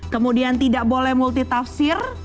kemudian tidak boleh multitafsir